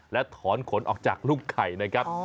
และถอนขนออกจากลูกไข่นะครับ